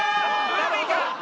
海か！